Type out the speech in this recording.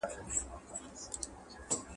ملتپالو د خپلواکۍ غوښتنه کوله.